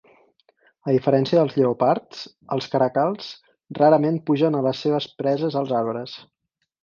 A diferència dels lleopards, els caracals rarament pugen a les seves preses als arbres.